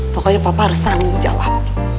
pokoknya papa harus tanggung jawab